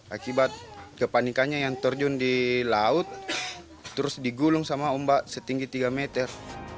akibat kepanikannya yang terjun di laut terus digulung sama ombak setinggi tiga meter